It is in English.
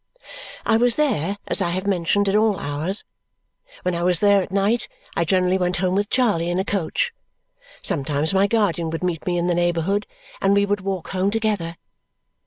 I was there, as I have mentioned, at all hours. When I was there at night, I generally went home with Charley in a coach; sometimes my guardian would meet me in the neighbourhood, and we would walk home together.